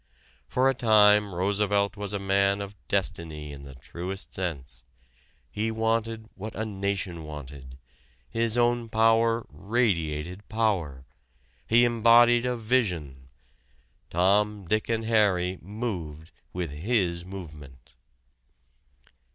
For a time Roosevelt was a man of destiny in the truest sense. He wanted what a nation wanted: his own power radiated power; he embodied a vision; Tom, Dick and Harry moved with his movement.